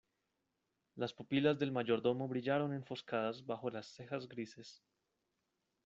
las pupilas del mayordomo brillaron enfoscadas bajo las cejas grises: